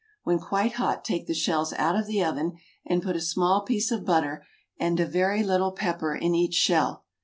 When quite hot take the shells out of the oven and put a small piece of butter and a very little pepper in each shell.